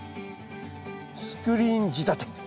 スクリーン仕立てと。